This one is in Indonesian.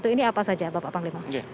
ini apa saja bapak panglima